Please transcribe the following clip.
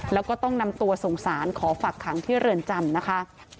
แล้วก็ต้องนำตัวส่งสารขอฝักขังที่เรือนจำนะคะ